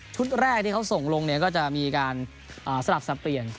ชุดแรกที่เขาส่งลงเนี่ยก็จะมีการสลับเปลี่ยน